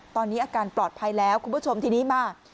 ตอนนี้อาการปลอดภัยแล้วคุณผู้ชมทีนี้มา